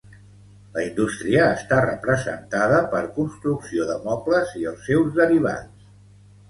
La indústria està representada per construcció de mobles i els seus derivats